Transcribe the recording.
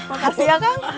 makasih ya kang